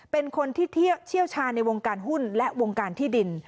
เป็นคนที่เชี่ยวชาญในวงการหุ้นและวงการที่ดิน